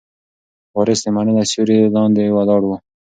وارث د مڼې له سیوري لاندې ولاړ و.